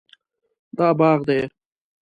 دا باغ دی